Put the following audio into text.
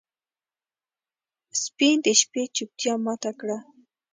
سپي د شپې چوپتیا ماته کړه.